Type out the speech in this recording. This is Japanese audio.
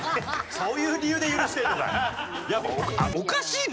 そういう理由で許してんのかい！